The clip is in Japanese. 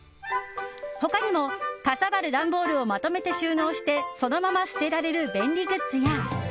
他にも、かさばる段ボールをまとめて収納してそのまま捨てられる便利グッズや。